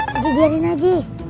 jadi biarin aja